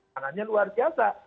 tangannya luar biasa